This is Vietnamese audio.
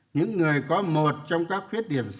những người có một trong các khuyết điểm sau